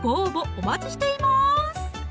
お待ちしています